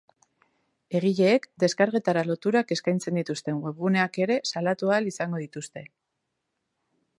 Egileek deskargetara loturak eskaintzen dituzten webguneak ere salatu ahal izango dituzte.